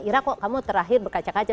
ira kok kamu terakhir berkaca kaca